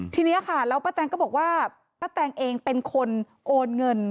ทีนี้ค่ะแล้วป้าแตงก็บอกว่าป้าแตงเองเป็นคนโอนเงิน